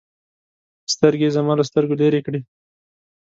سترگې يې زما له سترگو لرې کړې.